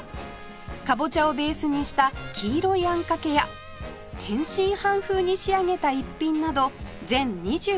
カボチャをベースにした黄色いあんかけや天津飯風に仕上げた一品など全２３種類